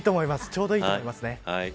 ちょうどいいと思いますね。